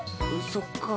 そっか。